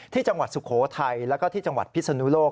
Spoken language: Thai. ที่จังหวัดสุโขทัยแล้วก็ที่จังหวัดพิศนุโลก